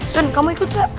sun kamu ikut gak